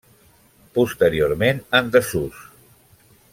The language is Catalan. Posteriorment en desús.